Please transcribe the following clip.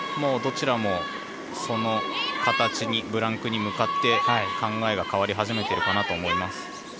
どちらも、その形ブランクに向かって考えが変わり始めているかなと思います。